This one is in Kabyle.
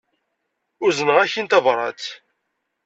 Uzneɣ-ak-in tabrat.